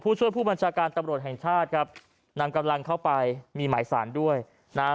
ช่วยผู้บัญชาการตำรวจแห่งชาติครับนำกำลังเข้าไปมีหมายสารด้วยนะฮะ